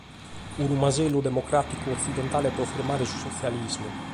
Unu masellu democràticu-otzidentale pro firmare su sotzialismu.